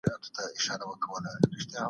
استازي چیري نوي ډیپلوماټیک اسناد ساتي؟